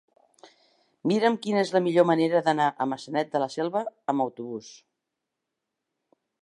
Mira'm quina és la millor manera d'anar a Maçanet de la Selva amb autobús.